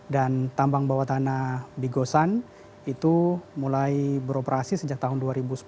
dan tambang bawah tanah bigosan itu mulai beroperasi sejak tahun dua ribu sepuluh